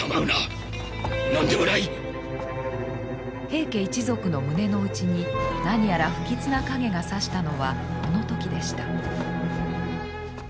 平家一族の胸の内に何やら不吉な影がさしたのはこの時でした。